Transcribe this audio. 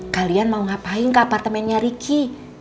kalian mau ngapain ke apartemennya ricky